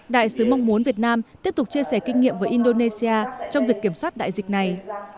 đại sứ mong muốn việt nam tiếp tục chia sẻ kinh nghiệm với indonesia trong việc kiểm soát đại dịch này